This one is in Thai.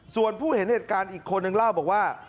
ส่วนผู้เห็นเหตุการณ์อีกคนนึงเล่าบอกว่า